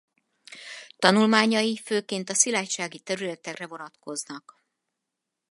Tanulmányai főként a szilágysági területekre vonatkoznak.